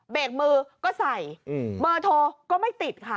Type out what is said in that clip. เบรกมือก็ใส่เบอร์โทรก็ไม่ติดค่ะ